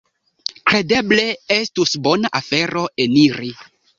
Kredeble estus bona afero eniri.